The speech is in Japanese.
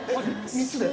３つで。